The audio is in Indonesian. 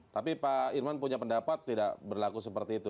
tapi pak irman punya pendapat tidak berlaku seperti itu